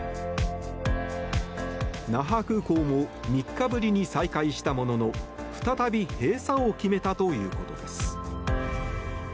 那覇空港も３日ぶりに再開したものの再び閉鎖を決めたということです。